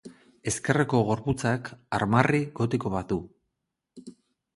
Ezkerreko gorputzak armarri gotiko bat du.